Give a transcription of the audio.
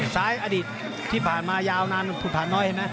ซ้ายอดีตที่ผ่านมายาวนานทุกผ่านน้อยเห็นมั้ย